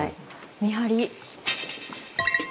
見張り。